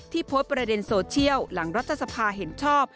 โพสต์ประเด็นโซเชียลหลังรัฐสภาเห็นชอบ